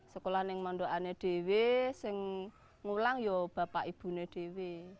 sekolah yang manduannya dewi yang ulang ya bapak ibunya dewi